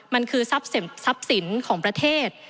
มันคือทรัพย์สินของประเทศ